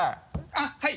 あっはい。